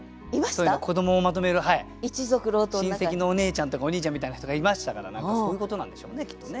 子どもをまとめる親戚のおねえちゃんとかおにいちゃんみたいな人がいましたから何かそういうことなんでしょうねきっとね。